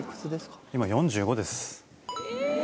今４５です。